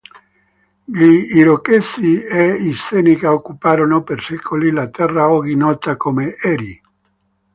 Gli Irochesi e i Seneca occuparono per secoli la terra oggi nota come Erie.